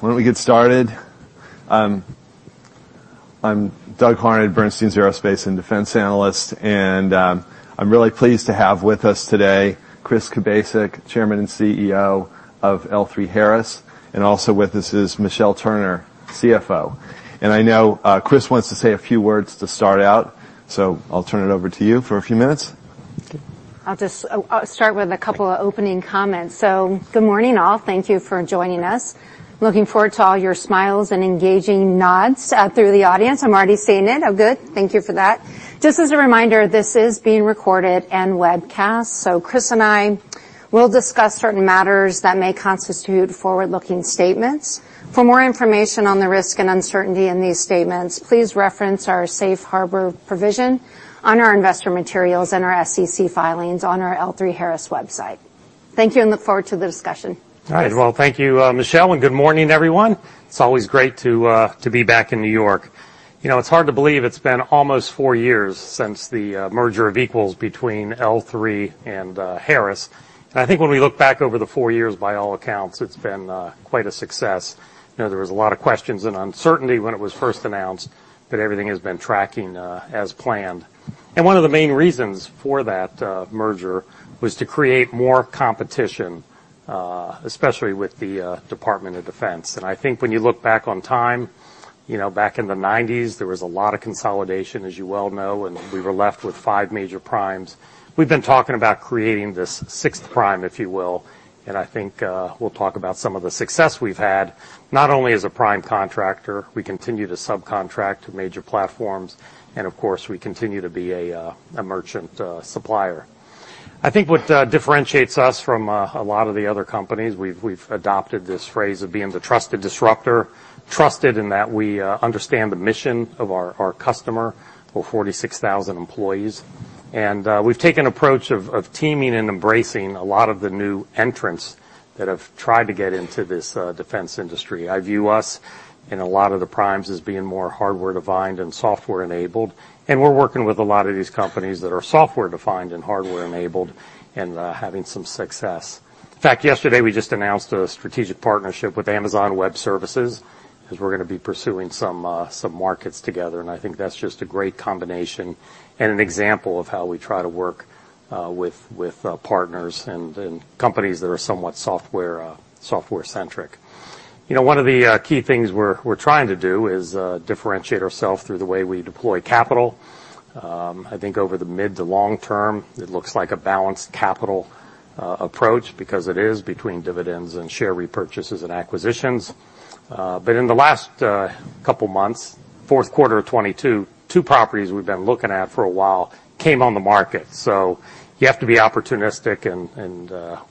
Why don't we get started? I'm Doug Harned, Bernstein Aerospace and Defense analyst, and I'm really pleased to have with us today Chris Kubasik, Chairman and CEO of L3Harris, and also with us is Michelle Turner, CFO. I know Chris wants to say a few words to start out, so I'll turn it over to you for a few minutes. I'll just, I'll start with a couple of opening comments. Good morning, all. Thank you for joining us. Looking forward to all your smiles, and engaging nods through the audience. I'm already seeing it. Oh, good. Thank you for that. Just as a reminder, this is being recorded, and webcast. Chris and I will discuss certain matters that may constitute forward-looking statements. For more information on the risk,, and uncertainty in these statements, please reference our safe harbor provision on our investor materials, and our SEC filings on our L3Harris website. Thank you. Look forward to the discussion. All right. Well, thank you, Michelle, good morning, everyone. It's always great to be back in New York. You know, it's hard to believe it's been almost four years since the merger of equals between L3 and Harris. I think when we look back over the four years, by all accounts, it's been quite a success. You know, there was a lot of questions and uncertainty when it was first announced, but everything has been tracking as planned. One of the main reasons for that merger was to create more competition, especially with the Department of Defense. I think when you look back on time, you know, back in the 90s, there was a lot of consolidation, as you well know, and we were left with five major primes. We've been talking about creating this sixth prime, if you will. I think we'll talk about some of the success we've had, not only as a prime contractor. We continue to subcontract to major platforms, and of course, we continue to be a merchant supplier. I think what differentiates us from a lot of the other companies, we've adopted this phrase of being the trusted disruptor. Trusted in that we understand the mission of our customer, our 46,000 employees, and we've taken an approach of teaming and embracing a lot of the new entrants that have tried to get into this defense industry. I view us, and a lot of the primes as being more hardware-defined and software-enabled. We're working with a lot of these companies that are software-defined, and hardware-enabled, and having some success. In fact, yesterday, we just announced a strategic partnership with Amazon Web Services, as we're going to be pursuing some markets together. I think that's just a great combination, and an example of how we try to work with partners, and companies that are somewhat software-centric. You know, one of the key things we're trying to do is differentiate ourselves through the way we deploy capital. I think over the mid to long term, it looks like a balanced capital approach because it is between dividends and share repurchases, and acquisitions. In the last couple months, fourth quarter of 2022, two properties we've been looking at for a while came on the market. You have to be opportunistic,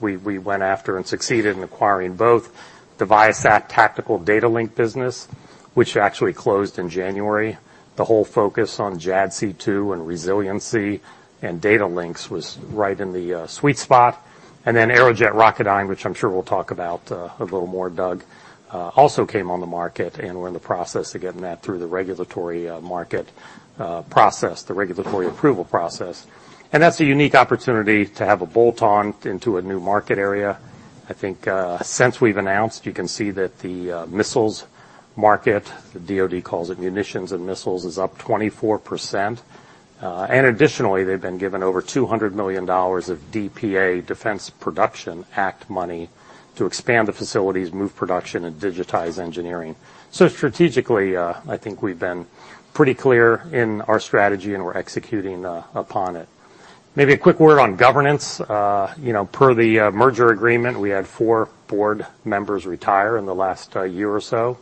we went after, and succeeded in acquiring both the Viasat tactical data link business, which actually closed in January. The whole focus on JADC2, and resiliency, and data links was right in the sweet spot. Aerojet Rocketdyne, which I'm sure we'll talk about a little more, Doug, also came on the market, and we're in the process of getting that through the regulatory market process, the regulatory approval process. That's a unique opportunity to have a bolt-on into a new market area. I think, since we've announced, you can see that the missiles market, the DoD calls it munitions and missiles, is up 24%. Additionally, they've been given over $200 million of DPA, Defense Production Act money, to expand the facilities, move production, and digitize engineering. Strategically, I think we've been pretty clear in our strategy, and we're executing upon it. Maybe a quick word on governance. You know, per the merger agreement, we had four board members retire in the last year or so,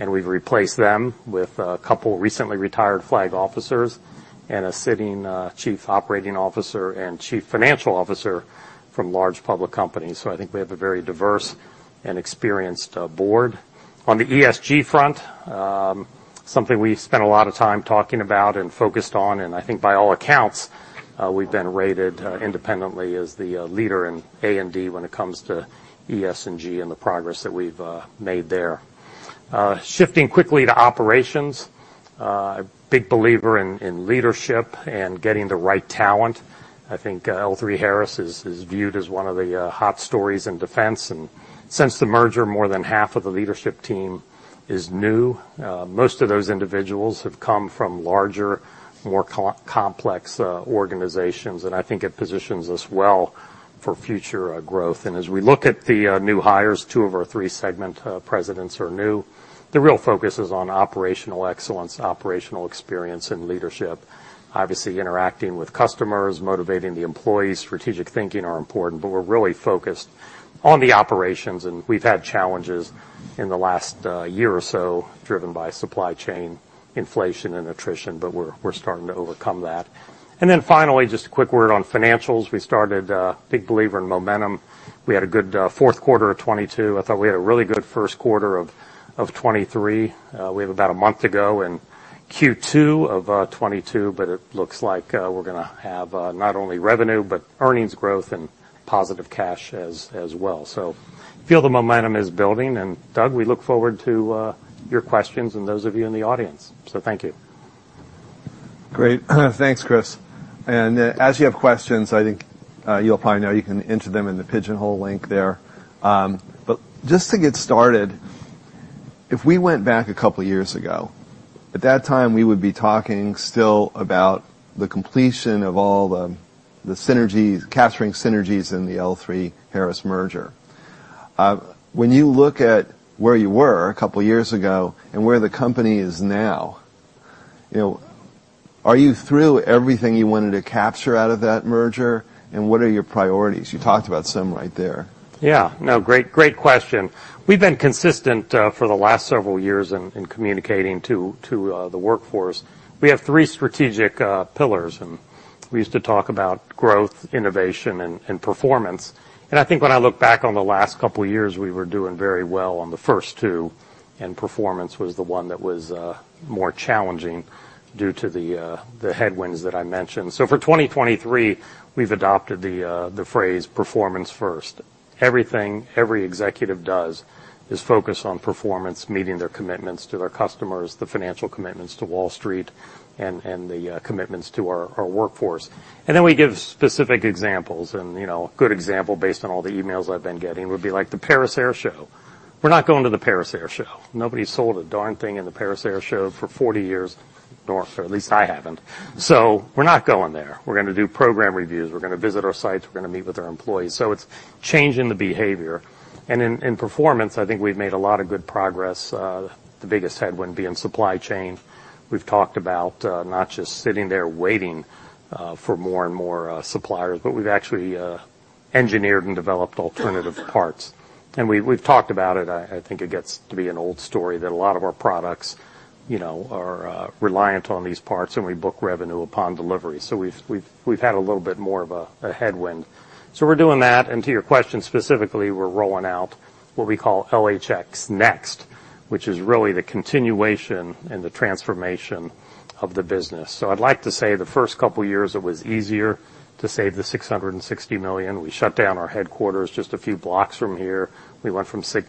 and we've replaced them with a couple recently retired flag officers, and a sitting chief operating officer, and chief financial officer from large public companies. I think we have a very diverse and experienced board. On the ESG front, something we've spent a lot of time talking about, and focused on. I think by all accounts, we've been rated independently as the leader in A&D when it comes to ESG, and the progress that we've made there. Shifting quickly to operations, a big believer in leadership, and getting the right talent. I think L3Harris is viewed as one of the hot stories in defense. Since the merger, more than half of the leadership team is new. Most of those individuals have come from larger, more co-complex organizations. I think it positions us well for future growth. As we look at the new hires, two of our three segment presidents are new. The real focus is on operational excellence, operational experience, and leadership. Obviously, interacting with customers, motivating the employees, strategic thinking are important, but we're really focused on the operations, and we've had challenges in the last year or so, driven by supply chain inflation and attrition, but we're starting to overcome that. Finally, just a quick word on financials. We started big believer in momentum. We had a good fourth quarter of 2022. I thought we had a really good first quarter of 2023. We have about a month to go in Q2 of 2022, but it looks like we're gonna have not only revenue, but earnings growth and positive cash as well. Feel the momentum is building, and, Doug, we look forward to your questions and those of you in the audience. Thank you. Great. Thanks, Chris. As you have questions, I think, you'll probably know, you can enter them in the Pigeonhole link there. Just to get started, if we went back a couple years ago, at that time, we would be talking still about the completion of all the synergies, capturing synergies in the L3Harris merger. When you look at where you were a couple years, ago and where the company is now, you know, are you through everything you wanted to capture out of that merger? What are your priorities? You talked about some right there. Yeah. No, great question. We've been consistent, for the last several years in communicating to the workforce. We have three strategic pillars, we used to talk about growth, innovation, and performance. I think when I look back on the last couple years, we were doing very well on the first two, performance was the one that was more challenging due to the headwinds that I mentioned. For 2023, we've adopted the phrase, "Performance first." Everything, every executive does is focus on performance, meeting their commitments to their customers, the financial commitments to Wall Street, and the commitments to our workforce. We give specific examples, you know, a good example, based on all the emails I've been getting, would be, like, the Paris Air Show. We're not going to the Paris Air Show. Nobody's sold a darn thing in the Paris Air Show for 40 years, or at least I haven't. We're not going there. We're gonna do program reviews. We're gonna visit our sites. We're gonna meet with our employees. It's changing the behavior. In performance, I think we've made a lot of good progress, the biggest headwind being supply chain. We've talked about not just sitting there waiting for more and more suppliers, but we've actually engineered and developed alternative parts. We've talked about it, I think it gets to be an old story, that a lot of our products, you know, are reliant on these parts, and we book revenue upon delivery. We've had a little bit more of a headwind. We're doing that, and to your question, specifically, we're rolling out what we call LHX NeXT, which is really the continuation, and the transformation of the business. I'd like to say the first couple years, it was easier to save the $660 million. We shut down our headquarters just a few blocks from here. We went from six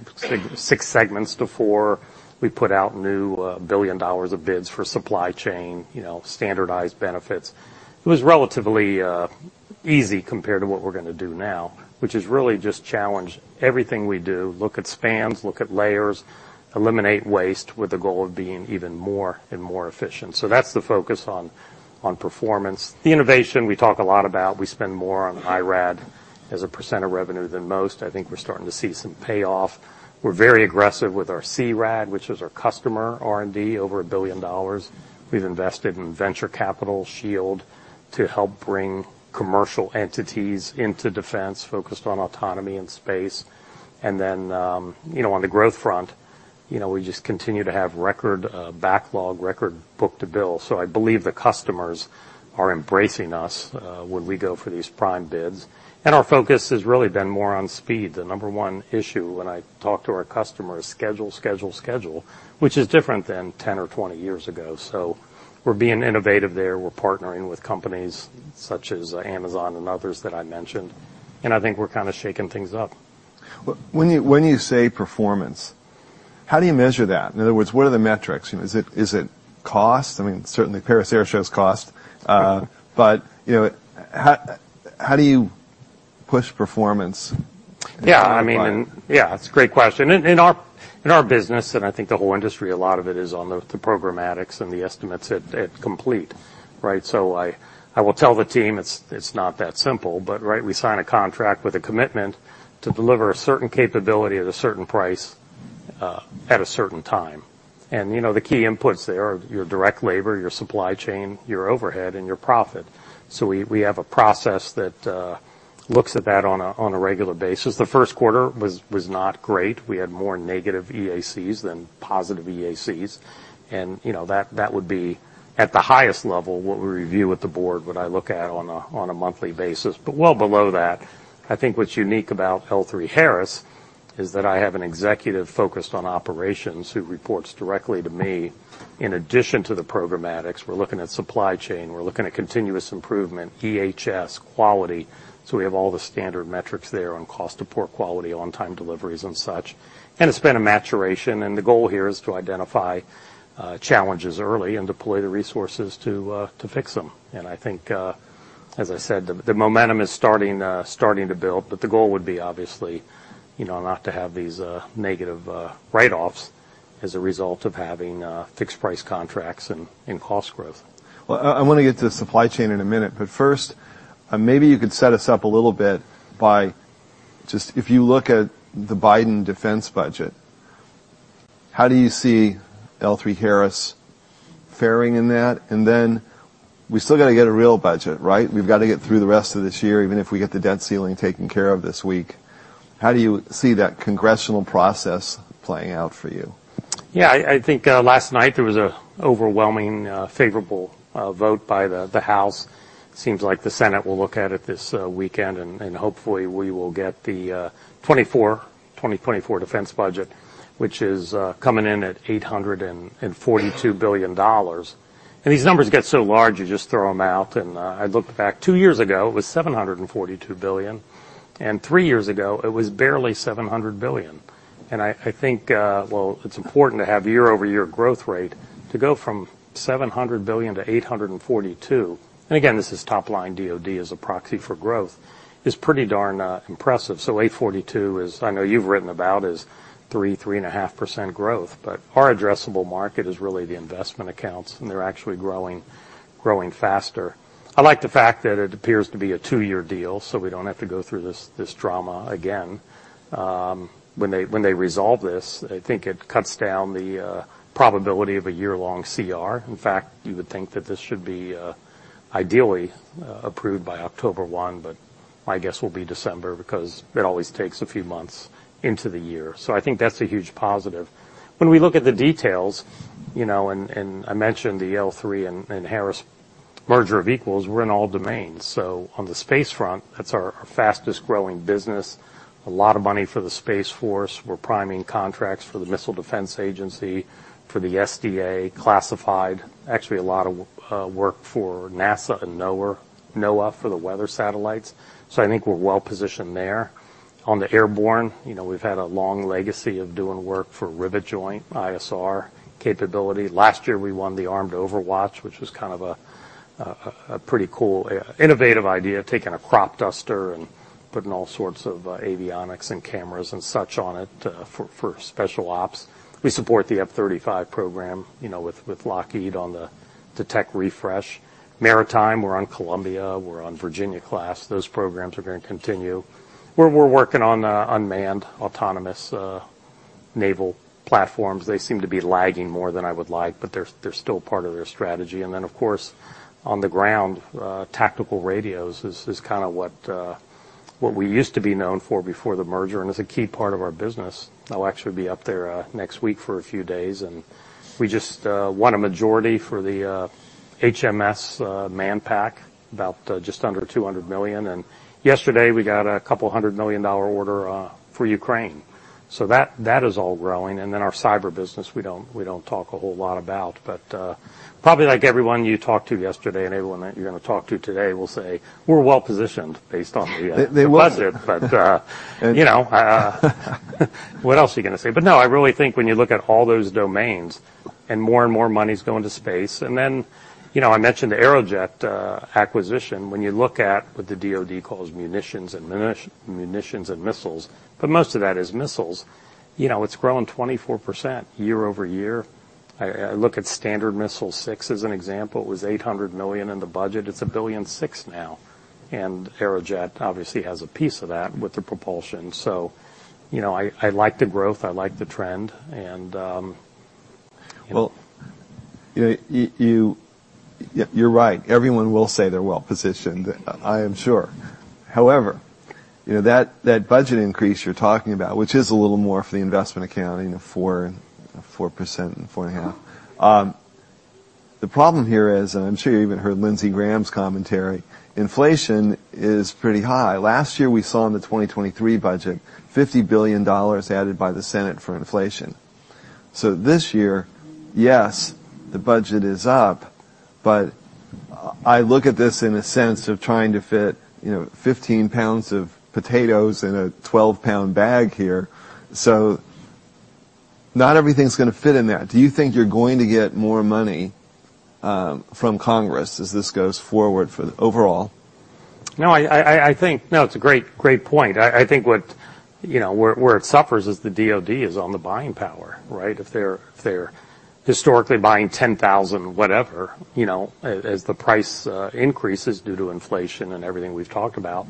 segments to four. We put out new $1 billion of bids for supply chain, you know, standardized benefits. It was relatively easy compared to what we're gonna do now, which is really just challenge everything we do, look at spans, look at layers, eliminate waste, with the goal of being even more, and more efficient. That's the focus on performance. The innovation, we talk a lot about. We spend more on IRAD as a percent of revenue than most. I think we're starting to see some payoff. We're very aggressive with our CRAD, which is our customer, R&D, over $1 billion. We've invested in venture capital shield to help bring commercial entities into defense, focused on autonomy, and space. You know, on the growth front, you know, we just continue to have record backlog, record book-to-bill. I believe the customers are embracing us when we go for these prime bids. Our focus has really been more on speed. The number one issue when I talk to our customers, schedule, schedule, which is different than 10 or 20 years ago. We're being innovative there. We're partnering with companies such as Amazon and others that I mentioned, I think we're kind of shaking things up. Well, when you say performance, how do you measure that? In other words, what are the metrics? You know, is it cost? I mean, certainly Paris Air Show's cost. You know, how do you push performance? I mean, that's a great question. In our business, and I think the whole industry, a lot of it is on the programmatics, and the estimates at complete, right? I will tell the team, it's not that simple, but, right, we sign a contract with a commitment to deliver a certain capability at a certain price, at a certain time. You know, the key inputs there are your direct labor, your supply chain, your overhead, and your profit. We have a process that looks at that on a regular basis. The first quarter was not great. We had more negative EACs than positive EACs. You know, that would be, at the highest level, what we review with the board, what I look at on a, on a monthly basis, but well below that. I think what's unique about L3Harris is that I have an executive focused on operations, who reports directly to me. In addition to the programmatics, we're looking at supply chain, we're looking at continuous improvement, EHS, quality, so we have all the standard metrics there on cost of poor quality, on-time deliveries, and such. It's been a maturation, and the goal here is to identify challenges early and deploy the resources to fix them. I think, as I said, the momentum is starting to build, but the goal would be, obviously, you know, not to have these negative write-offs as a result of having fixed price contracts and cost growth. Well, I wanna get to the supply chain in a minute, but first, maybe you could set us up a little bit by just If you look at the Biden defense budget, how do you see L3Harris faring in that? Then, we still gotta get a real budget, right? We've got to get through the rest of this year, even if we get the debt ceiling taken care of this week. How do you see that congressional process playing out for you? I think, last night there was a overwhelming, favorable vote by the House. Seems like the Senate will look at it this weekend, hopefully, we will get the 2024 defense budget, which is coming in at $842 billion. These numbers get so large, you just throw them out. I looked back, two years ago, it was $742 billion, three years ago, it was barely $700 billion. I think, well, it's important to have year-over-year growth rate. To go from $700 billion to $842 billion, again, this is top-line DoD as a proxy for growth, is pretty darn impressive. $842 billion is, I know you've written about, is 3.5% growth. Our addressable market is really the investment accounts, and they're actually growing faster. I like the fact that it appears to be a two-year deal, so we don't have to go through this drama again. When they resolve this, I think it cuts down the probability of a year-long CR. In fact, you would think that this should be ideally approved by October 1, but my guess will be December, because it always takes a few months into the year. I think that's a huge positive. When we look at the details, you know, and I mentioned the L3 and Harris merger of equals, we're in all domains. On the space front, that's our fastest growing business. A lot of money for the Space Force. We're priming contracts for the Missile Defense Agency, for the SDA, classified. Actually, a lot of work for NASA and NOAA for the weather satellites, so I think we're well positioned there. On the airborne, you know, we've had a long legacy of doing work for Rivet Joint, ISR capability. Last year, we won the Armed Overwatch, which was kind of a pretty cool innovative idea, taking a crop duster, and putting all sorts of avionics and cameras, and such on it for special ops. We support the F-35 program, you know, with Lockheed on the Tech Refresh. Maritime, we're on Columbia, we're on Virginia class. Those programs are going to continue. We're working on unmanned, autonomous naval platforms. They seem to be lagging more than I would like, but they're still part of their strategy. Of course, on the ground, tactical radios is kind of what we used to be known for before the merger, and is a key part of our business. I'll actually be up there next week for a few days, and we just won a majority for the HMS Manpack, about just under $200 million, and yesterday, we got a $200 million order for Ukraine. That, that is all growing, and then our cyber business, we don't, we don't talk a whole lot about. Probably like everyone you talked to yesterday, and everyone that you're going to talk to today will say, "We're well positioned based on the budget. They was it. You know, what else are you gonna say? No, I really think when you look at all those domains, more and more money is going to space, then, you know, I mentioned the Aerojet acquisition. When you look at what the DoD calls munitions and missiles, but most of that is missiles, you know, it's growing 24% year-over-year. I look at Standard Missile 6 as an example. It was $800 million in the budget. It's $1.6 billion now, and Aerojet obviously has a piece of that with the propulsion. You know, I like the growth, I like the trend. Well, you know, you're right, everyone will say they're well-positioned, I am sure. You know, that budget increase you're talking about, which is a little more for the investment accounting of 4% and 4.5%. The problem here is, and I'm sure you even heard Lindsey Graham's commentary, inflation is pretty high. Last year, we saw in the 2023 budget, $50 billion added by the Senate for inflation. This year, yes, the budget is up, but I look at this in a sense of trying to fit, you know, 15 pounds of potatoes in a 12-pound bag here. Not everything's gonna fit in there. Do you think you're going to get more money from Congress as this goes forward for the overall? No, I think. No, it's a great point. I think what, you know, where it suffers is the DoD is on the buying power, right? If they're historically buying 10,000 whatever, you know, as the price increases due to inflation, and everything we've talked about,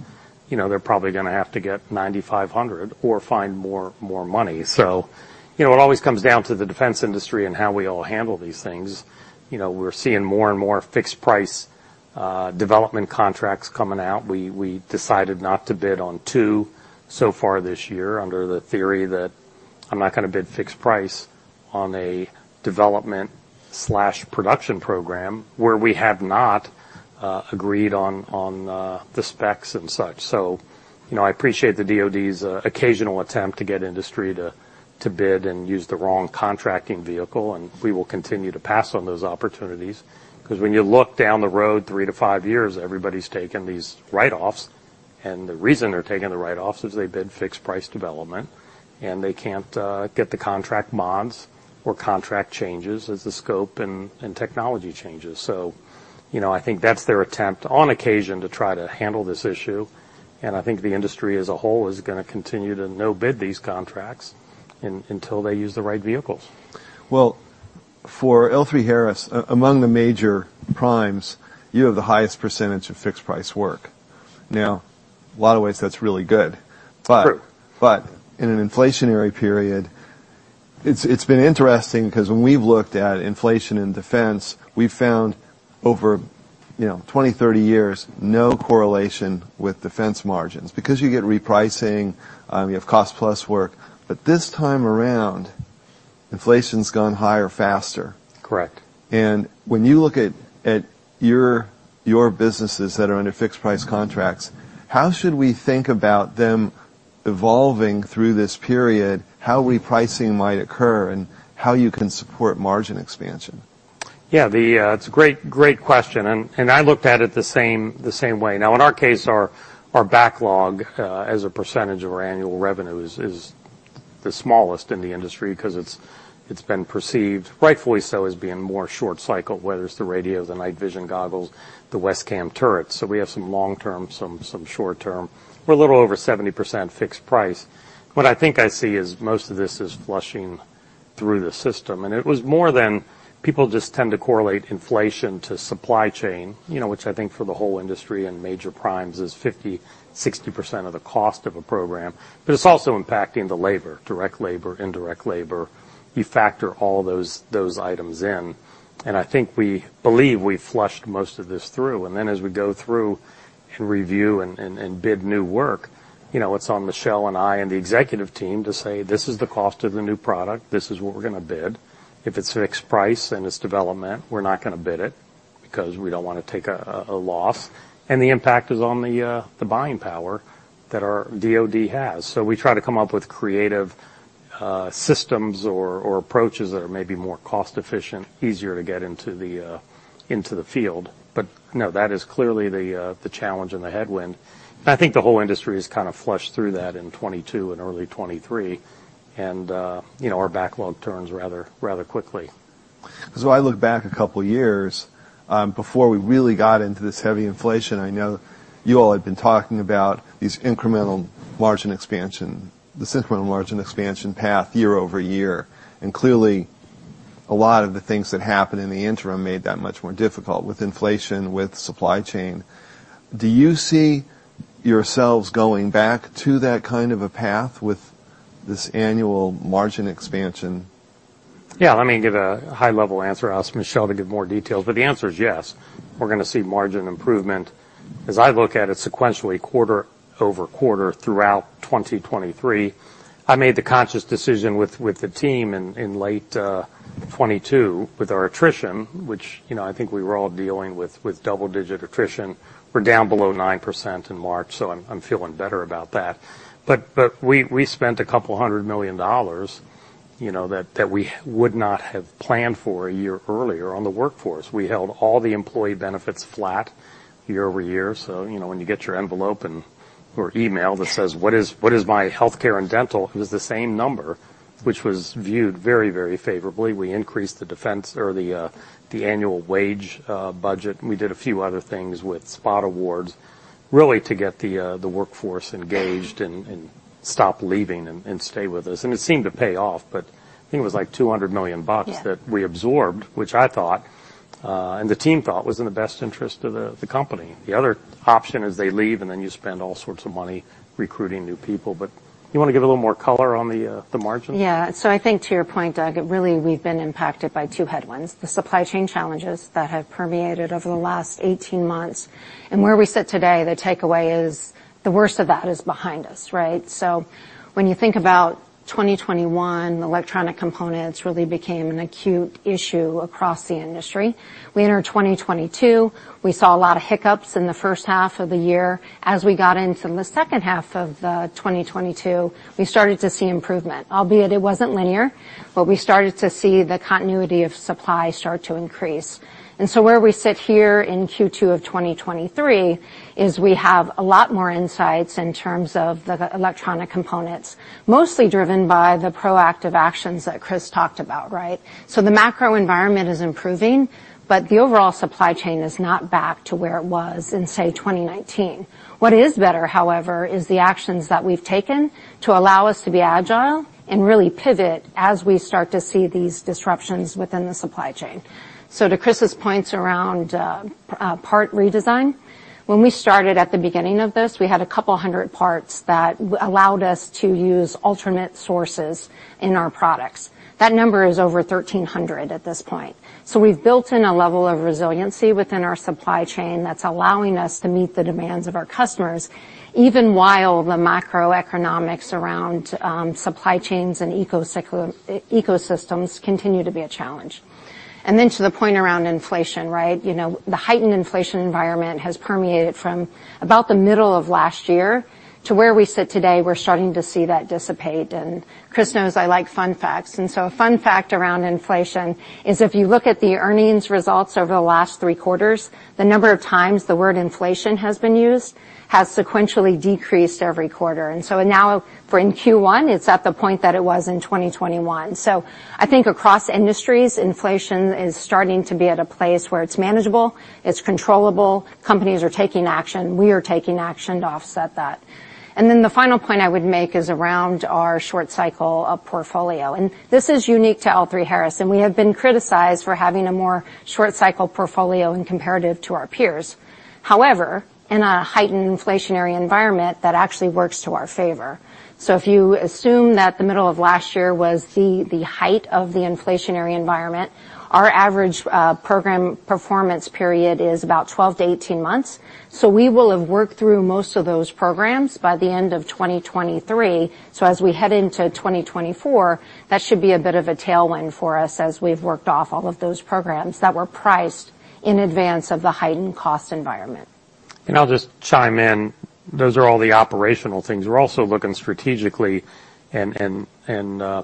you know, they're probably gonna have to get 9,500 or find more money. You know, it always comes down to the defense industry, and how we all handle these things. You know, we're seeing more, and more fixed price development contracts coming out. We decided not to bid on two so far this year under the theory that I'm not gonna bid fixed price on a development/production program where we have not agreed on the specs and such. You know, I appreciate the DoD's occasional attempt to get industry to bid, and use the wrong contracting vehicle, and we will continue to pass on those opportunities. 'Cause when you look down the road three to five years, everybody's taking these write-offs, and the reason they're taking the write-offs is they bid fixed price development, and they can't get the contract mods or contract changes as the scope and technology changes. You know, I think that's their attempt, on occasion, to try to handle this issue, and I think the industry as a whole is gonna continue to no-bid these contracts until they use the right vehicles. Well, for L3Harris, among the major primes, you have the highest % of fixed-price work. A lot of ways, that's really good, but. True. In an inflationary period, it's been interesting because when we've looked at inflation in defense, we've found over, you know, 20, 30 years, no correlation with defense margins because you get repricing, you have cost plus work. This time around, inflation's gone higher, faster. Correct. When you look at your businesses that are under fixed-price contracts, how should we think about them evolving through this period, how repricing might occur, and how you can support margin expansion? Yeah, it's a great question, and I looked at it the same way. Now, in our case, our backlog as a percentage of our annual revenues is the smallest in the industry 'cause it's been perceived, rightfully so, as being more short cycle, whether it's the radio, the night vision goggles, the WESCAM turrets. We have some long term, some short term. We're a little over 70% fixed price. What I think I see is most of this is flushing through the system, and it was more than people just tend to correlate inflation to supply chain, you know, which I think for the whole industry and major primes is 50%-60% of the cost of a program. It's also impacting the labor, direct labor, indirect labor. You factor all those items in, I think we believe we've flushed most of this through. Then as we go through, and review, and bid new work, you know, it's on Michelle and I and the executive team to say, "This is the cost of the new product. This is what we're gonna bid. If it's fixed price, and it's development, we're not gonna bid it, because we don't wanna take a loss." The impact is on the buying power that our DoD has. We try to come up with creative systems or approaches that are maybe more cost-efficient, easier to get into the field. No, that is clearly the challenge and the headwind. I think the whole industry has kind of flushed through that in 2022 and early 2023, and, you know, our backlog turns rather quickly. I look back a couple of years before we really got into this heavy inflation. I know you all had been talking about this incremental margin expansion path year-over-year, clearly, a lot of the things that happened in the interim made that much more difficult, with inflation, with supply chain. Do you see yourselves going back to that kind of a path with this annual margin expansion? Yeah, let me give a high-level answer. I'll ask Michelle to give more details. The answer is yes. We're gonna see margin improvement as I look at it sequentially, quarter-over-quarter, throughout 2023. I made the conscious decision with the team in late 2022, with our attrition, which, you know, I think we were all dealing with double-digit attrition. We're down below 9% in March. I'm feeling better about that. We spent $200 million, you know, that we would not have planned for a year earlier on the workforce. We held all the employee benefits flat year-over-year. You know, when you get your envelope or email that says, "What is my healthcare and dental?" It is the same number, which was viewed very favorably. We increased the defense or the annual wage budget. We did a few other things with spot awards, really to get the workforce engaged and stop leaving and stay with us. It seemed to pay off, but I think it was, like, $200 million. Yeah. that we absorbed, which I thought, and the team thought was in the best interest of the company. The other option is they leave, and then you spend all sorts of money recruiting new people. You want to give a little more color on the margins? Yeah. I think to your point, Doug, really, we've been impacted by two headwinds: the supply chain challenges that have permeated over the last 18 months. Where we sit today, the takeaway is, the worst of that is behind us, right? When you think about 2021, electronic components really became an acute issue across the industry. We entered 2022, we saw a lot of hiccups in the first half of the year. As we got into the second half of 2022, we started to see improvement. Albeit, it wasn't linear, but we started to see the continuity of supply start to increase. Where we sit here in Q2 of 2023 is we have a lot more insights in terms of the electronic components, mostly driven by the proactive actions that Chris talked about, right? The macro environment is improving, but the overall supply chain is not back to where it was in, say, 2019. What is better, however, is the actions that we've taken to allow us to be agile and really pivot as we start to see these disruptions within the supply chain. To Chris's points around part redesign, when we started at the beginning of this, we had a couple hundred parts that allowed us to use alternate sources in our products. That number is over 1,300 at this point. We've built in a level of resiliency within our supply chain that's allowing us to meet the demands of our customers, even while the macroeconomics around supply chains and ecosystems continue to be a challenge. Then to the point around inflation, right? You know, the heightened inflation environment has permeated from about the middle of last year to where we sit today. We're starting to see that dissipate. Chris knows I like fun facts. A fun fact around inflation is if you look at the earnings results over the last three quarters, the number of times the word inflation has been used has sequentially decreased every quarter. Now for in Q1, it's at the point that it was in 2021. I think across industries, inflation is starting to be at a place where it's manageable, it's controllable, companies are taking action. We are taking action to offset that. The final point I would make is around our short cycle of portfolio. This is unique to L3Harris, and we have been criticized for having a more short cycle portfolio in comparative to our peers. However, in a heightened inflationary environment, that actually works to our favor. If you assume that the middle of last year was the height of the inflationary environment, our average program performance period is about 12 to 18 months. We will have worked through most of those programs by the end of 2023. As we head into 2024, that should be a bit of a tailwind for us as we've worked off all of those programs that were priced in advance of the heightened cost environment. I'll just chime in. Those are all the operational things. We're also looking strategically, and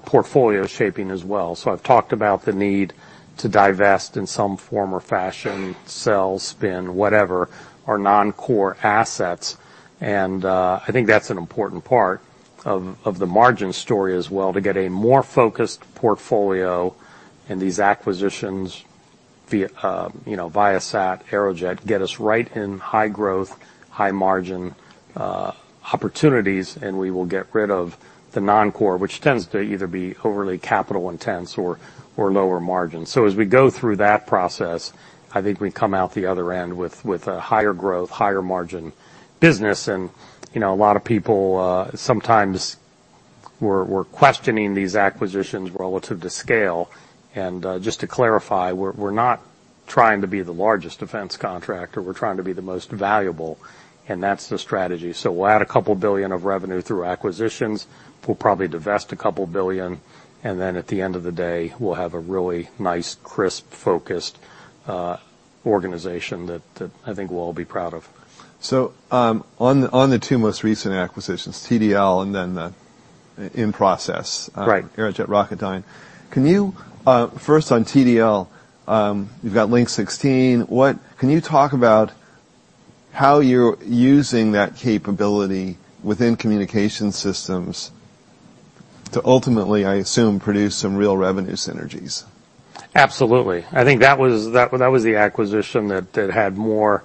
portfolio shaping as well. I've talked about the need to divest in some form or fashion, sell, spin, whatever, our non-core assets. I think that's an important part of the margin story as well, to get a more focused portfolio in these acquisitions, via, you know, Viasat, Aerojet, get us right in high growth, high margin opportunities, and we will get rid of the non-core, which tends to either be overly capital intense or lower margin. As we go through that process, I think we come out the other end with a higher growth, higher margin business. You know, a lot of people sometimes were questioning these acquisitions relative to scale. Just to clarify, we're not trying to be the largest defense contractor. We're trying to be the most valuable, and that's the strategy. We'll add a couple billion of revenue through acquisitions. We'll probably divest a couple billion. At the end of the day, we'll have a really nice, crisp, focused organization that I think we'll all be proud of. On the two most recent acquisitions, TDL and then the in process- Right. Aerojet Rocketdyne, can you First, on TDL, you've got Link-16. Can you talk about how you're using that capability within communication systems to ultimately, I assume, produce some real revenue synergies? Absolutely. I think that was the acquisition that had more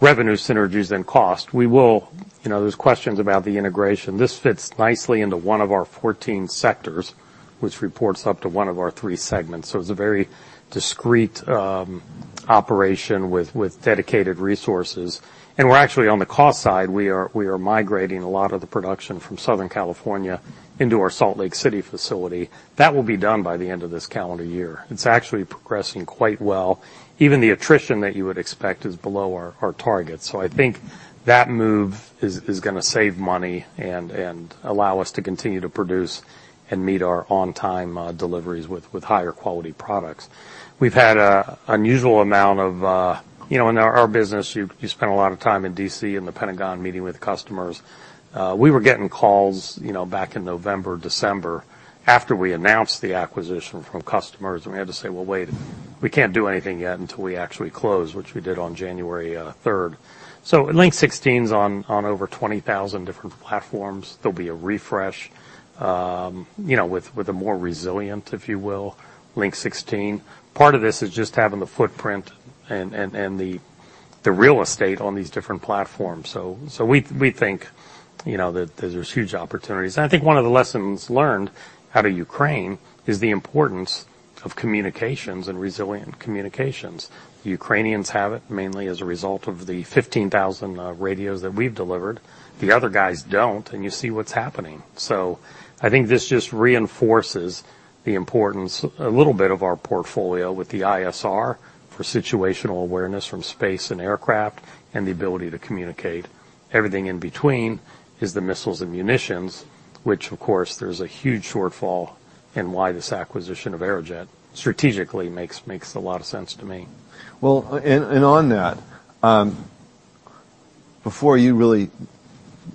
revenue synergies than cost. There's questions about the integration. This fits nicely into one of our 14 sectors, which reports up to one of our three segments, so it's a very discreet operation with dedicated resources. We're actually, on the cost side, we are migrating a lot of the production from Southern California into our Salt Lake City facility. That will be done by the end of this calendar year. It's actually progressing quite well. Even the attrition that you would expect is below our target. I think that move is gonna save money, and allow us to continue to produce and meet our on-time deliveries with higher quality products. We've had a unusual amount of. You know, in our business, you spend a lot of time in D.C., in the Pentagon, meeting with customers. We were getting calls, you know, back in November, December, after we announced the acquisition from customers, and we had to say, "Well, wait. We can't do anything yet until we actually close," which we did on January 3rd. Link 16's on over 20,000 different platforms. There'll be a refresh, you know, with a more resilient, if you will, Link 16. Part of this is just having the footprint and the real estate on these different platforms. We think, you know, that there's huge opportunities. I think one of the lessons learned out of Ukraine is the importance of communications and resilient communications. The Ukrainians have it, mainly as a result of the 15,000 radios that we've delivered. The other guys don't, and you see what's happening. I think this just reinforces the importance, a little bit of our portfolio with the ISR for situational awareness from space and aircraft and the ability to communicate. Everything in between is the missiles and munitions, which, of course, there's a huge shortfall and why this acquisition of Aerojet strategically makes a lot of sense to me. On that, before you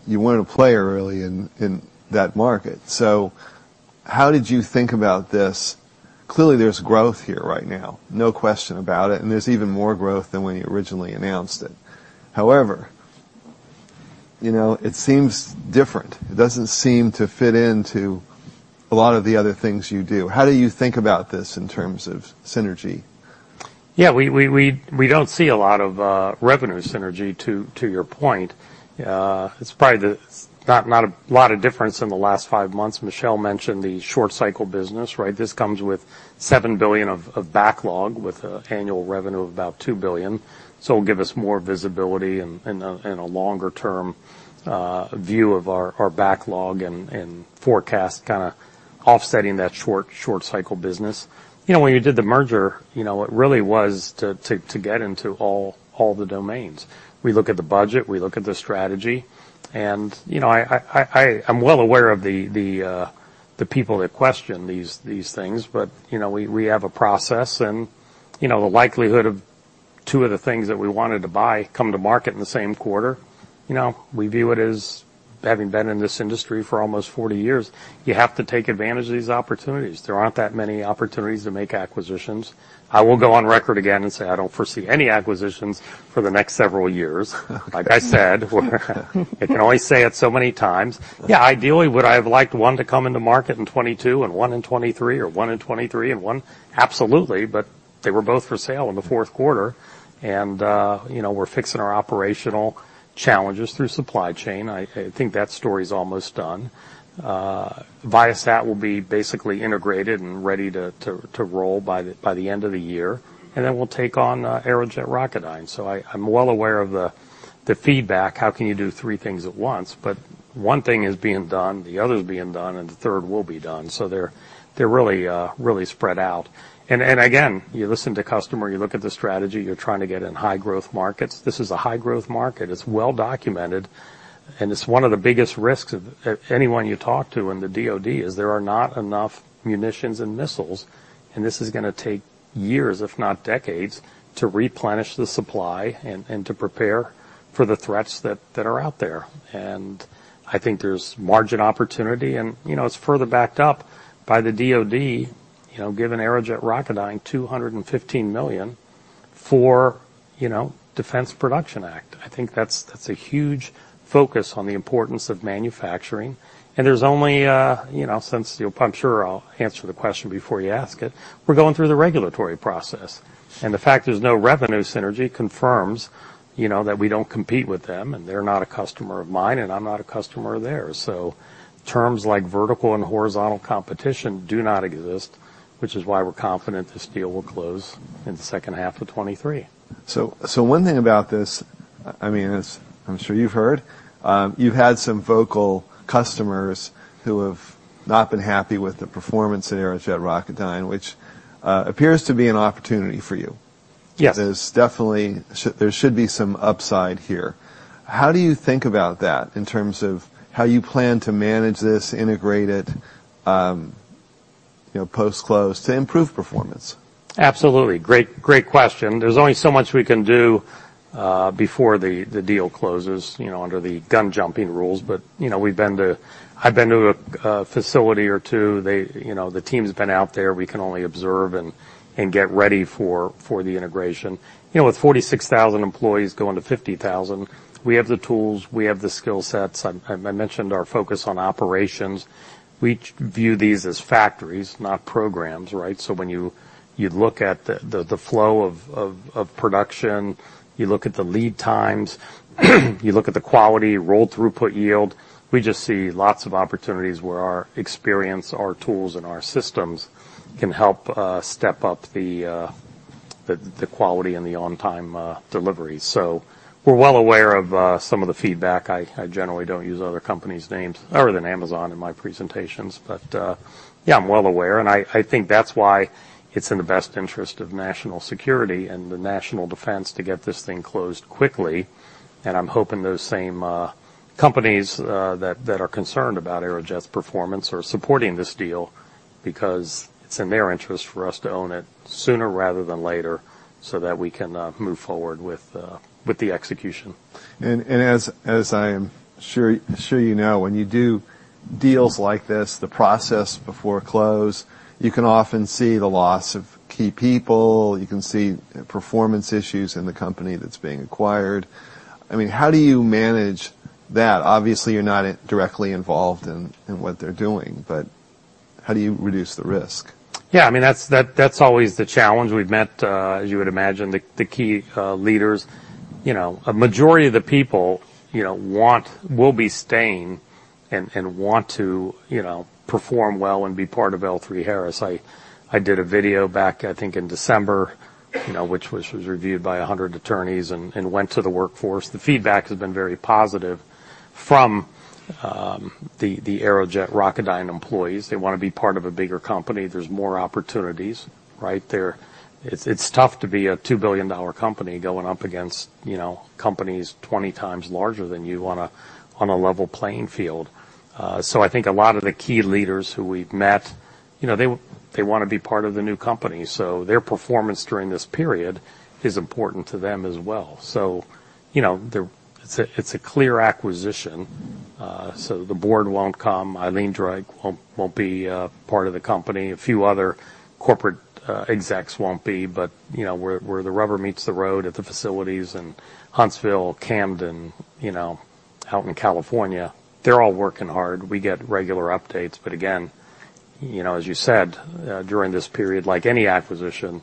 weren't a player really in that market. How did you think about this? Clearly, there's growth here right now, no question about it, and there's even more growth than when you originally announced it. You know, it seems different. It doesn't seem to fit into a lot of the other things you do. How do you think about this in terms of synergy? Yeah, we don't see a lot of revenue synergy, to your point. It's probably not a lot of difference in the last five months. Michelle mentioned the short cycle business, right? This comes with $7 billion of backlog, with a annual revenue of about $2 billion, so it'll give us more visibility, and a longer term view of our backlog, and forecast, kinda offsetting that short cycle business. You know, when you did the merger, you know, it really was to get into all the domains. We look at the budget, we look at the strategy, you know, I'm well aware of the people that question these things, but, you know, we have a process. You know, the likelihood of two of the things that we wanted to buy come to market in the same quarter, you know, we view it as, having been in this industry for almost 40 years, you have to take advantage of these opportunities. There aren't that many opportunities to make acquisitions. I will go on record again and say, I don't foresee any acquisitions for the next several years. Like I said, I can only say it so many times. Yeah, ideally, would I have liked one to come into market in 2022 and one in 2023, or one in 2023 and one? Absolutely, but they were both for sale in the fourth quarter. You know, we're fixing our operational challenges through supply chain. I think that story's almost done. Viasat will be basically integrated and ready to roll by the end of the year, we'll take on Aerojet Rocketdyne. I'm well aware of the feedback, "How can you do three things at once?" One thing is being done, the other is being done, and the third will be done, so they're really spread out. Again, you listen to customer, you look at the strategy, you're trying to get in high growth markets. This is a high growth market. It's well documented. It's one of the biggest risks of anyone you talk to in the DoD, is there are not enough munitions and missiles, and this is gonna take years, if not decades, to replenish the supply and to prepare for the threats that are out there. I think there's margin opportunity, and, you know, it's further backed up by the DoD, you know, giving Aerojet Rocketdyne $215 million for, you know, Defense Production Act. I think that's a huge focus on the importance of manufacturing. There's only, you know, since I'm sure I'll answer the question before you ask it, we're going through the regulatory process, and the fact there's no revenue synergy confirms, you know, that we don't compete with them, and they're not a customer of mine, and I'm not a customer of theirs. Terms like vertical and horizontal competition do not exist, which is why we're confident this deal will close in the second half of 2023. One thing about this, I mean, as I'm sure you've heard, you've had some vocal customers who have not been happy with the performance in Aerojet Rocketdyne, which appears to be an opportunity for you. Yes. There should be some upside here. How do you think about that in terms of how you plan to manage this, integrate it, you know, post-close to improve performance? Absolutely. Great, great question. There's only so much we can do before the deal closes, you know, under the gun-jumping rules. You know, I've been to a facility or two. They, you know, the team's been out there. We can only observe and get ready for the integration. You know, with 46,000 employees going to 50,000, we have the tools, we have the skill sets. I mentioned our focus on operations. We view these as factories, not programs, right? When you look at the flow of production, you look at the lead times, you look at the quality, rolled throughput yield, we just see lots of opportunities where our experience, our tools, and our systems can help step up the quality and the on-time delivery. We're well aware of some of the feedback. I generally don't use other companies' names other than Amazon in my presentations, but, yeah, I'm well aware, and I think that's why it's in the best interest of national security, and the national defense to get this thing closed quickly. I'm hoping those same companies that are concerned about Aerojet's performance are supporting this deal because it's in their interest for us to own it sooner rather than later, so that we can move forward with the execution. As I am sure you know, when you do deals like this, the process before close, you can often see the loss of key people, you can see performance issues in the company that's being acquired. I mean, how do you manage that? Obviously, you're not directly involved in what they're doing, but how do you reduce the risk? Yeah, I mean, that's always the challenge. We've met, as you would imagine, the key leaders. You know, a majority of the people, you know, will be staying and want to, you know, perform well and be part of L3Harris. I did a video back, I think, in December, you know, which was reviewed by 100 attorneys and went to the workforce. The feedback has been very positive from the Aerojet Rocketdyne employees. They wanna be part of a bigger company. There's more opportunities, right there. It's tough to be a $2 billion company going up against, you know, companies 20 times larger than you on a level playing field. I think a lot of the key leaders who we've met, you know, they wanna be part of the new company, so their performance during this period is important to them as well. You know, it's a clear acquisition, so the board won't come. Eileen Drake won't be part of the company. A few other corporate execs won't be, but, you know, where the rubber meets the road at the facilities in Huntsville, Camden, you know, out in California, they're all working hard. We get regular updates, but again, you know, as you said, during this period, like any acquisition,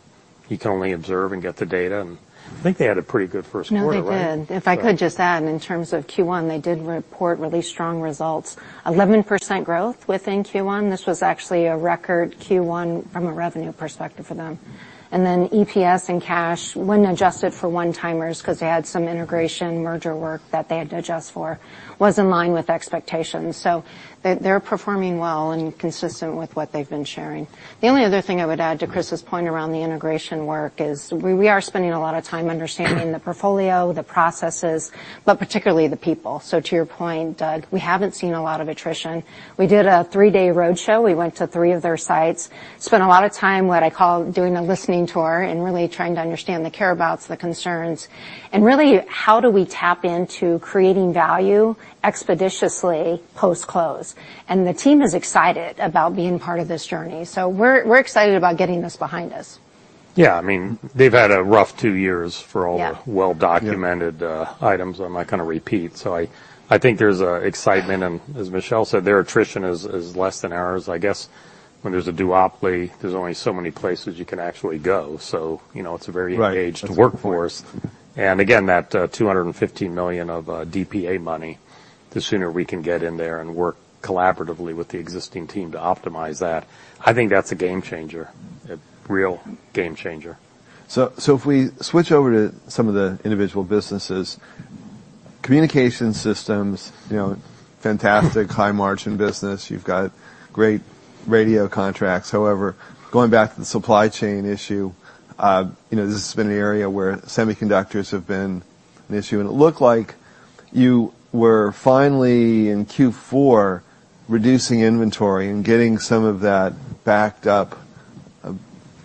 you can only observe and get the data, and I think they had a pretty good first quarter, right? No, they did. Right. If I could just add, in terms of Q1, they did report really strong results. 11% growth within Q1. This was actually a record Q1 from a revenue perspective for them. EPS and cash, when adjusted for one-timers, 'cause they had some integration, merger work that they had to adjust for, was in line with expectations. They're performing well and consistent with what they've been sharing. The only other thing I would add to Chris's point around the integration work is we are spending a lot of time understanding the portfolio, the processes, but particularly the people. To your point, Doug, we haven't seen a lot of attrition. We did a 3-day roadshow. We went to three of their sites, spent a lot of time, what I call doing a listening tour, really trying to understand the care about, the concerns, and really how do we tap into creating value expeditiously post-close. The team is excited about being part of this journey, so we're excited about getting this behind us. Yeah, I mean, they've had a rough two years... Yeah... for all the well-documented- Yeah items I'm not gonna repeat. I think there's excitement, and as Michelle said, their attrition is less than ours. I guess when there's a duopoly, there's only so many places you can actually go, so you know, it's a very- Right... engaged workforce. Again, that, $215 million of, DPA money, the sooner we can get in there, and work collaboratively with the existing team to optimize that, I think that's a game changer, a real game changer. If we switch over to some of the individual businesses, communication systems, fantastic, high-margin business. You've got great radio contracts. Going back to the supply chain issue, this has been an area where semiconductors have been an issue, and it looked like you were finally, in Q4, reducing inventory, and getting some of that backed up,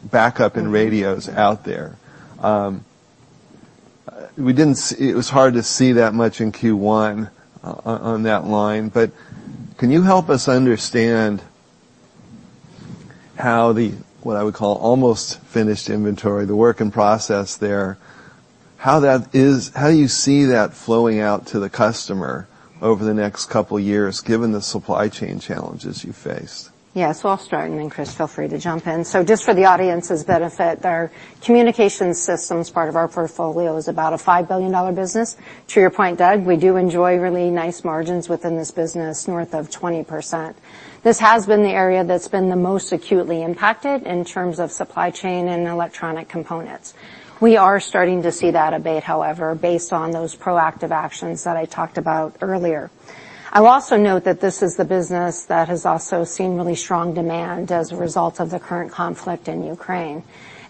back up in radios out there. It was hard to see that much in Q1 on that line, but can you help us understand how the, what I would call, almost finished inventory, the work in process there, how you see that flowing out to the customer over the next couple years, given the supply chain challenges you faced? Yes, I'll start, and then, Chris, feel free to jump in. Just for the audience's benefit, our communications systems, part of our portfolio, is about a $5 billion business. To your point, Doug, we do enjoy really nice margins within this business, north of 20%. This has been the area that's been the most acutely impacted in terms of supply chain, and electronic components. We are starting to see that abate, however, based on those proactive actions that I talked about earlier. I'll also note that this is the business that has also seen really strong demand as a result of the current conflict in Ukraine.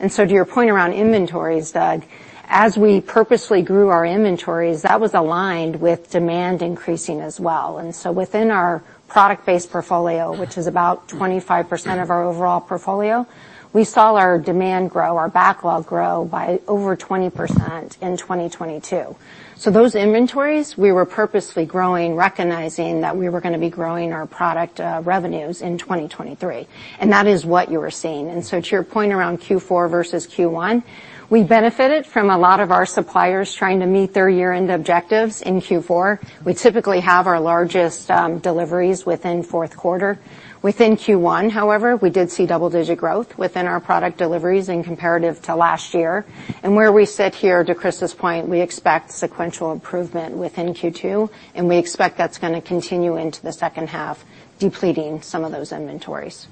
To your point around inventories, Doug, as we purposely grew our inventories, that was aligned with demand increasing as well. Within our product-based portfolio, which is about 25% of our overall portfolio, we saw our demand grow, our backlog grow by over 20% in 2022. Those inventories, we were purposely growing, recognizing that we were going to be growing our product, revenues in 2023, and that is what you were seeing. To your point around Q4 versus Q1, we benefited from a lot of our suppliers trying to meet their year-end objectives in Q4. We typically have our largest, deliveries within fourth quarter. Within Q1, however, we did see double-digit growth within our product deliveries in comparative to last year. Where we sit here, to Chris's point, we expect sequential improvement within Q2, and we expect that's going to continue into the second half, depleting some of those inventories.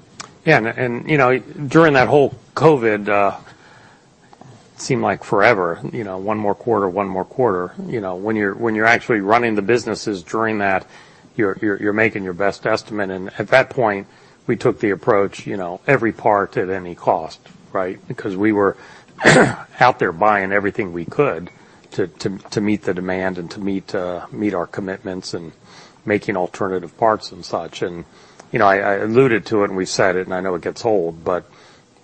Yeah, and, you know, during that whole COVID, seemed like forever, you know, one more quarter, one more quarter. You know, when you're actually running the businesses during that, you're making your best estimate. At that point, we took the approach, you know, every part at any cost, right? Because we were out there buying everything we could to meet the demand, and to meet our commitments, and making alternative parts and such. I alluded to it, and we said it, and I know it gets old, but,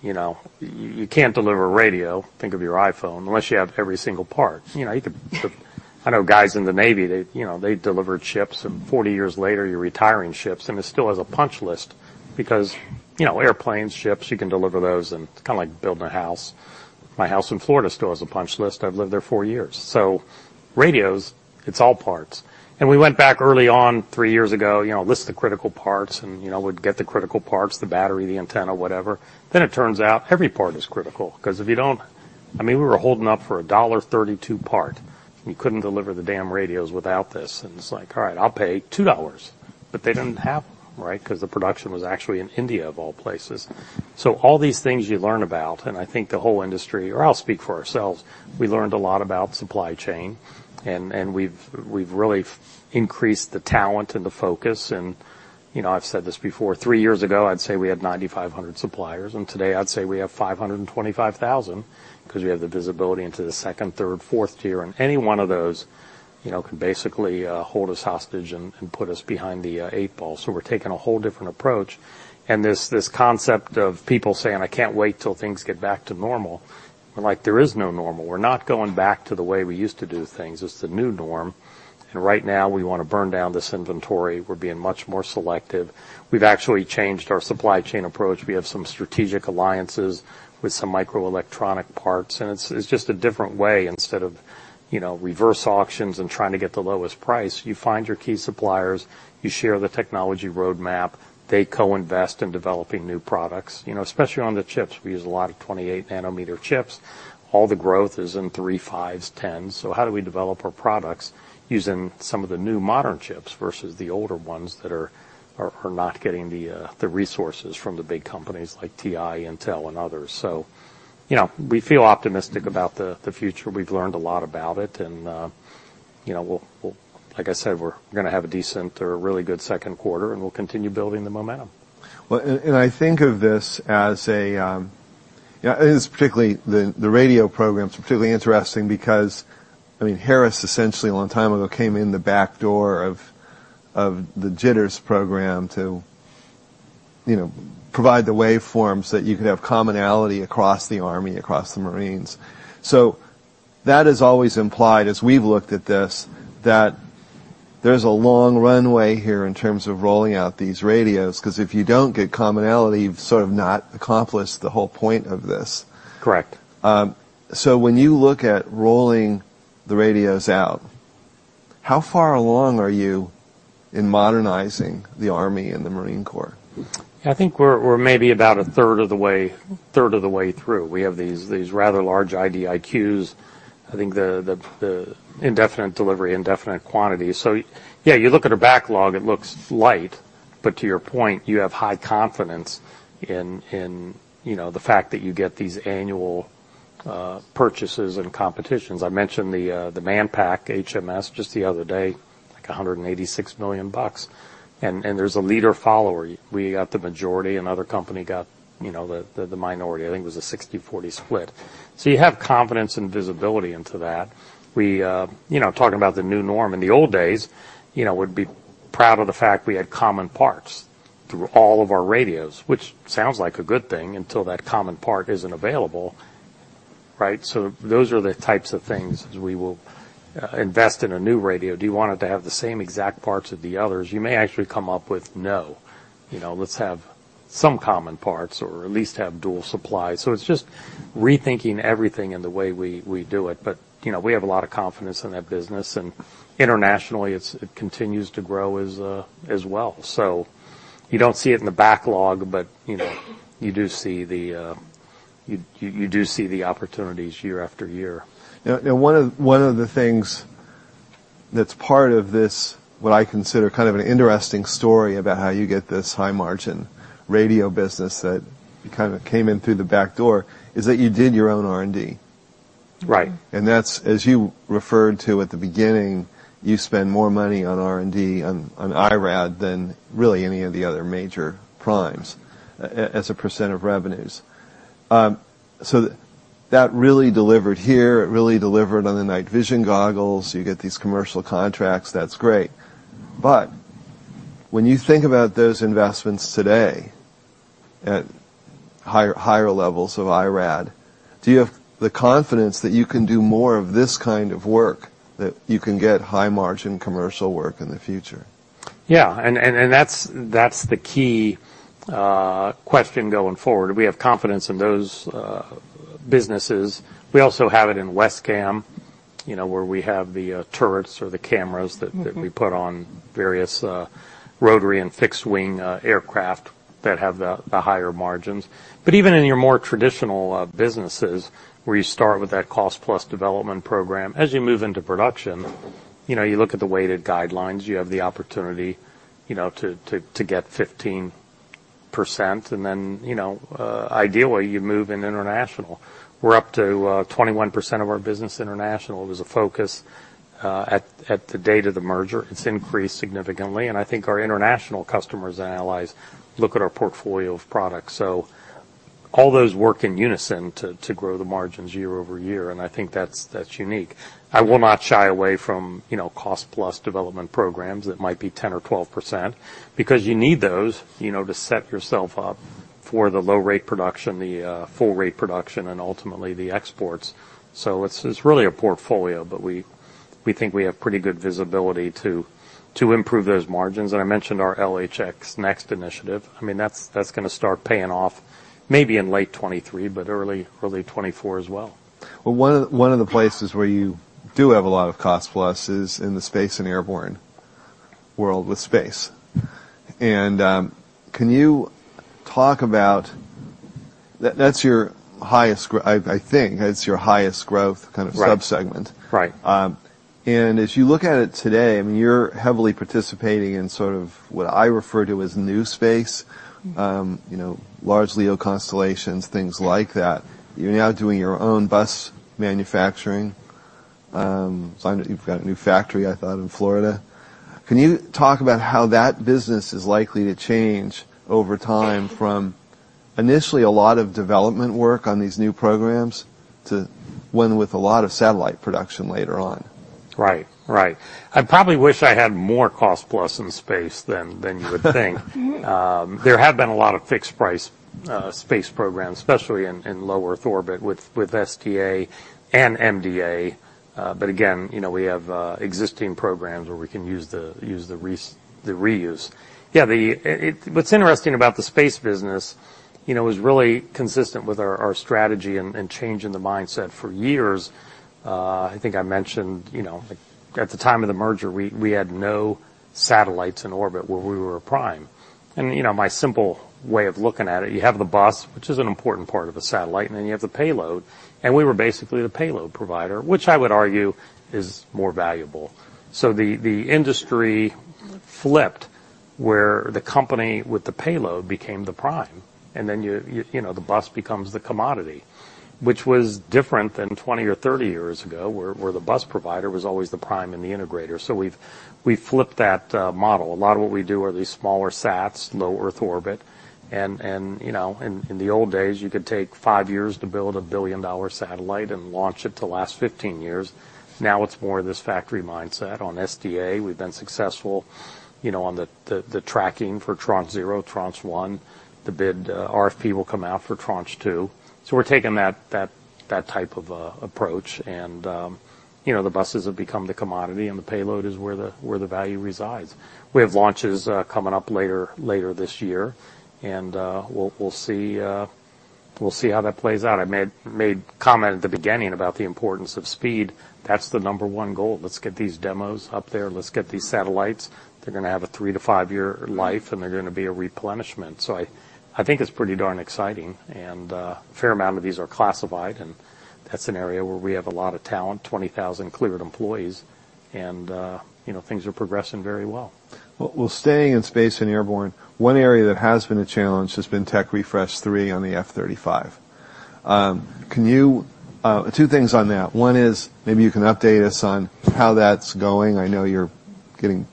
you know, you can't deliver a radio, think of your iPhone, unless you have every single part. You know, I know guys in the Navy, they, you know, they delivered ships, and 40 years later, you're retiring ships, and it still has a punch list because, you know, airplanes, ships, you can deliver those, and it's kind of like building a house. My house in Florida still has a punch list. I've lived there four years. Radios, it's all parts. We went back early on, three years ago, you know, list the critical parts, and, you know, we'd get the critical parts, the battery, the antenna, whatever. It turns out every part is critical. I mean, we were holding up for a $1.32 part. We couldn't deliver the damn radios without this, and it's like: All right, I'll pay $2. They didn't have them, right? Because the production was actually in India, of all places. All these things you learn about, and I think the whole industry, or I'll speak for ourselves, we learned a lot about supply chain, and we've really increased the talent and the focus. You know, I've said this before, three years ago, I'd say we had 9,500 suppliers, and today I'd say we have 525,000, because we have the visibility into the second, third, fourth tier, and any one of those, you know, can basically hold us hostage and put us behind the eight ball. We're taking a whole different approach. This concept of people saying, "I can't wait till things get back to normal," we're like: There is no normal. We're not going back to the way we used to do things. It's the new norm. Right now, we want to burn down this inventory. We're being much more selective. We've actually changed our supply chain approach. We have some strategic alliances with some microelectronic parts. It's just a different way. Instead of, you know, reverse auctions and trying to get the lowest price, you find your key suppliers, you share the technology roadmap, they co-invest in developing new products. You know, especially on the chips, we use a lot of 28 nanometer chips. All the growth is in 3, 5s, 10s. How do we develop our products using some of the new modern chips versus the older ones that are not getting the resources from the big companies like TI, Intel, and others? You know, we feel optimistic about the future. We've learned a lot about it, and, you know, we'll Like I said, we're gonna have a decent or a really good second quarter, and we'll continue building the momentum. Well, I think of this as a, you know, it is particularly the radio program is particularly interesting because, I mean, Harris, essentially, a long time ago, came in the back door of the JTRS program to, you know, provide the waveforms that you could have commonality across the Army, across the Marines. That is always implied, as we've looked at this, that there's a long runway here in terms of rolling out these radios, 'cause if you don't get commonality, you've sort of not accomplished the whole point of this. Correct. When you look at rolling the radios out, how far along are you in modernizing the Army and the Marine Corps? I think we're maybe about a third of the way through. We have these rather large IDIQs. I think the indefinite delivery, indefinite quantity. Yeah, you look at our backlog, it looks light, but to your point, you have high confidence in, you know, the fact that you get these annual purchases and competitions. I mentioned the Manpack HMS just the other day, like $186 million. There's a leader follower. We got the majority, another company got, you know, the minority. I think it was a 60/40 split. You have confidence and visibility into that. We. You know, talking about the new norm, in the old days, you know, we'd be proud of the fact we had common parts through all of our radios, which sounds like a good thing until that common part isn't available, right? Those are the types of things, as we will invest in a new radio. Do you want it to have the same exact parts as the others? You may actually come up with, "No." You know, let's have some common parts or at least have dual supply. It's just rethinking everything in the way we do it. You know, we have a lot of confidence in that business, and internationally, it continues to grow as well. You don't see it in the backlog, but, you know, you do see the opportunities year after year. One of the things that's part of this, what I consider kind of an interesting story about how you get this high-margin radio business that kind of came in through the back door, is that you did your own R&D. Right. That's, as you referred to at the beginning, you spend more money on R&D, on IRAD than really any of the other major primes, as a percent of revenues. That really delivered here. It really delivered on the night vision goggles. You get these commercial contracts, that's great. When you think about those investments today at higher levels of IRAD, do you have the confidence that you can do more of this kind of work, that you can get high-margin commercial work in the future? Yeah, that's the key question going forward. We have confidence in those businesses. We also have it in WESCAM, you know, where we have the turrets or the cameras. Mm-hmm that we put on various rotary and fixed-wing aircraft that have the higher margins. Even in your more traditional businesses, where you start with that cost plus development program, as you move into production, you know, you look at the weighted guidelines, you have the opportunity, you know, to get 15%, and then, you know, ideally, you move in international. We're up to 21% of our business international. There was a focus at the date of the merger. It's increased significantly, and I think our international customers and allies look at our portfolio of products. All those work in unison to grow the margins year-over-year, and I think that's unique. I will not shy away from, you know, cost-plus development programs that might be 10% or 12% because you need those, you know, to set yourself up for the low rate production, the full rate production, and ultimately, the exports. It's really a portfolio, but we think we have pretty good visibility to improve those margins. I mentioned our LHX NeXt initiative. I mean, that's gonna start paying off maybe in late 2023, but early 2024 as well. Well, one of the places where you do have a lot of cost plus is in the space and airborne world with space. Can you talk about... I think that's your highest growth kind of- Right... subsegment. Right. As you look at it today, I mean, you're heavily participating in sort of, what I refer to as new space, you know, large LEO constellations, things like that. You're now doing your own bus manufacturing. I know you've got a new factory, I thought, in Florida. Can you talk about how that business is likely to change over time from initially, a lot of development work on these new programs, to one with a lot of satellite production later on? Right. Right. I probably wish I had more cost plus in space than you would think. There have been a lot of fixed price space programs, especially in low Earth orbit, with SDA and MDA. Again, you know, we have existing programs where we can use the reuse. The what's interesting about the space business, you know, is really consistent with our strategy and changing the mindset. For years, I think I mentioned, you know, like, at the time of the merger, we had no satellites in orbit where we were a prime. You know, my simple way of looking at it, you have the bus, which is an important part of a satellite, and then you have the payload, and we were basically the payload provider, which I would argue is more valuable. The industry flipped, where the company with the payload became the prime, and then you know, the bus becomes the commodity, which was different than 20 or 30 years ago, where the bus provider was always the prime and the integrator. We've flipped that model. A lot of what we do are these smaller sats, low Earth orbit, and, you know, in the old days, you could take five years to build a $1 billion satellite, and launch it to last 15 years. Now, it's more of this factory mindset. On SDA, we've been successful, you know, on the tracking for Tranche 0, Tranche 1, the bid, RFP will come out for Tranche 2. We're taking that type of approach, and, you know, the buses have become the commodity, and the payload is where the value resides. We have launches coming up later this year, and, we'll see how that plays out. I made comment at the beginning about the importance of speed. That's the number one goal. Let's get these demos up there. Let's get these satellites. They're gonna have a three to five-year life, and they're gonna be a replenishment. I think it's pretty darn exciting, and a fair amount of these are classified, and that's an area where we have a lot of talent, 20,000 cleared employees, and, you know, things are progressing very well. Well, well, staying in space and airborne, one area that has been a challenge has been Technology Refresh 3 on the F-35. Can you, two things on that? One is, maybe you can update us on how that's going. I know you're getting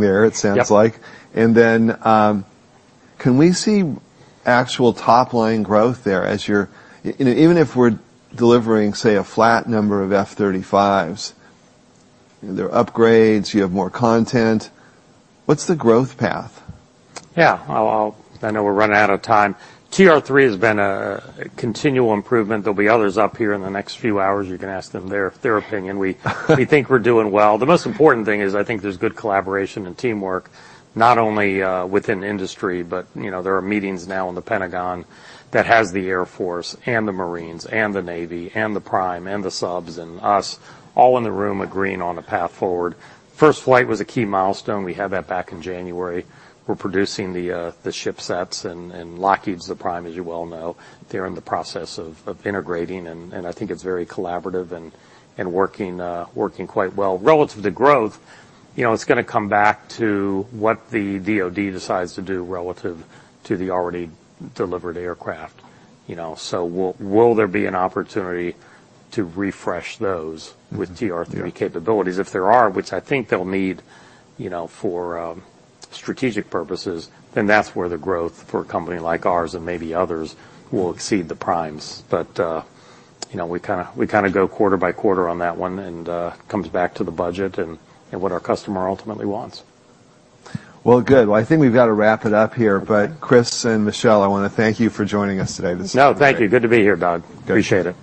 there, it sounds like. Yep. Can we see actual top-line growth there as you know, even if we're delivering, say, a flat number of F-35s, there are upgrades, you have more content. What's the growth path? Yeah. I'll I know we're running out of time. TR-3 has been a continual improvement. There'll be others up here in the next few hours, you can ask them their opinion. We think we're doing well. The most important thing is I think there's good collaboration and teamwork, not only within industry, but, you know, there are meetings now in the Pentagon that has the Air Force, and the Marines, and the Navy, and the prime, and the subs, and us, all in the room agreeing on a path forward. First flight was a key milestone. We had that back in January. We're producing the ship sets, and Lockheed's the prime, as you well know. They're in the process of integrating, and I think it's very collaborative and working quite well. Relative to growth, you know, it's gonna come back to what the DoD decides to do relative to the already delivered aircraft, you know? Will there be an opportunity to refresh those? Mm-hmm. -with TR-3 capabilities? If there are, which I think they'll need, you know, for strategic purposes, that's where the growth for a company like ours and maybe others will exceed the primes. You know, we kinda go quarter by quarter on that one, and comes back to the budget and what our customer ultimately wants. Well, good. Well, I think we've got to wrap it up here. Okay. Chris and Michelle, I wanna thank you for joining us today. No, thank you. Good to be here, Don. Good. Appreciate it.